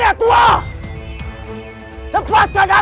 ramai orang tertawa di tempat jalan jalan denying